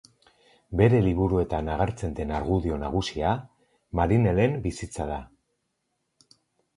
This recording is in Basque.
Bere liburuetan agertzen den argudio nagusia marinelen bizitza da.